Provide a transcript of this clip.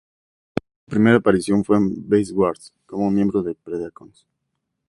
Su primera aparición fue en Beast Wars como un miembro de los Predacons.